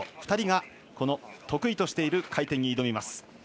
２人が得意としている回転に挑みます。